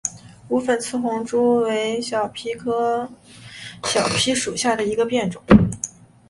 无粉刺红珠为小檗科小檗属下的一个变种。